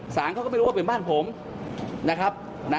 สารเขาก็ไม่รู้ว่าเป็นบ้านผมนะครับ